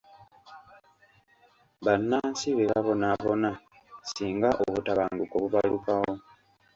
Bannansi be babonaabona singa obutabanguko bubalukawo.